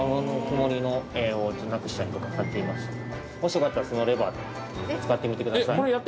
もしよかったらそのレバーで使ってみて下さい。